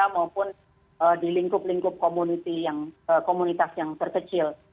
maupun di lingkup lingkup komunitas yang terkecil